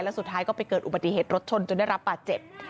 แล้วสุดท้ายก็ไปเกิดอุบัติเหตุรถชนจนได้รับบาดเจ็บ